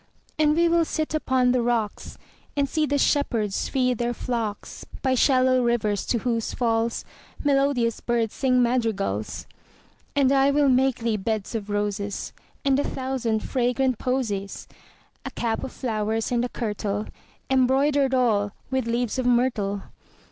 And we will sit upon the rocks, 5 And see the shepherds feed their flocks By shallow rivers, to whose falls Melodious birds sing madrigals. And I will make thee beds of roses And a thousand fragrant posies; 10 A cap of flowers, and a kirtle Embroider'd all with leaves of myrtle.